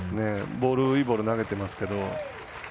ボール、いいボール投げてますけど。